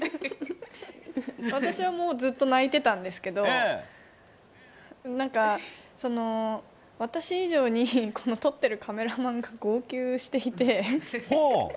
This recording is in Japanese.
私はずっと泣いてたんですけど私以上に撮ってるカメラマンが号泣していて。